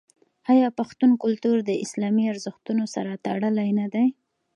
آیا پښتون کلتور د اسلامي ارزښتونو سره تړلی نه دی؟